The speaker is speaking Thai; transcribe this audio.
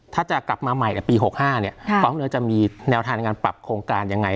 ถ้าจะกลับมาใหม่ในปี๖๕กองเรือจะมีแนวทางในการปรับโครงการยังไง